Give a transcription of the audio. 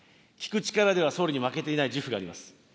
聞く力では、総理に負けていない自負があります。